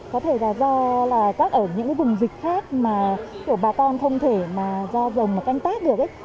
có thể là do là các ở những vùng dịch khác mà kiểu bà con không thể mà do rồng mà canh tác được ấy